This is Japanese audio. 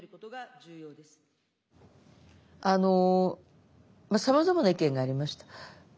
あのさまざまな意見がありました。